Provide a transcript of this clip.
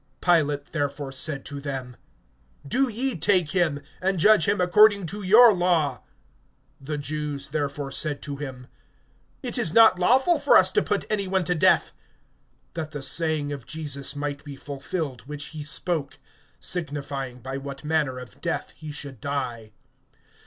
(31)Pilate therefore said to them: Do ye take him, and judge him according to your law. The Jews therefore said to him: It is not lawful for us to put any one to death; (32)that the saying of Jesus might be fulfilled, which he spoke, signifying by what manner of death he should die.